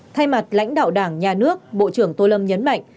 thay mặt lãnh đạo đảng nhà nước bộ trưởng tô lâm nhấn mạnh